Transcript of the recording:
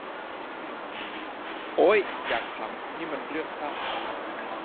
โอ้ย อยากขำ แต่นี่มันเรื่องเศร้า